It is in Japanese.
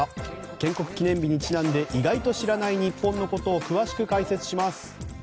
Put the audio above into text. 建国記念日にちなんで意外と知らない日本のことを詳しく解説します。